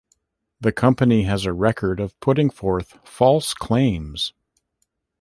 The company has a record of putting forth false claims.